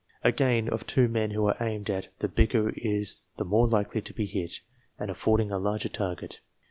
Again, of two men who are aimed at, the bigger is the more likely to be hit, as affording a larger target.